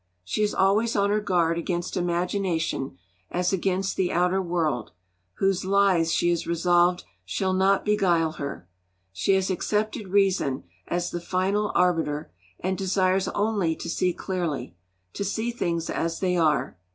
She is always on her guard against imagination as against the outer world, whose 'lies' she is resolved shall not 'beguile' her. She has accepted reason as the final arbiter, and desires only to see clearly, to see things as they are.